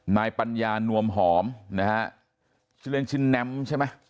นายปัญญานวมหอมนะฮะชื่อเล่นชื่อแน้มใช่ไหม